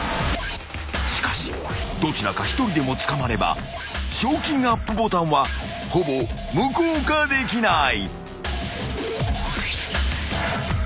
［しかしどちらか一人でも捕まれば賞金アップボタンはほぼ無効化できない］